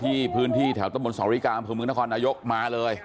ที่พื้นที่แถวตะบนสอริกาอำเภอเมืองนครนายกมาเลย